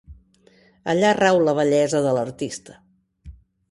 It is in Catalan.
Allà rau la bellesa de l'artista.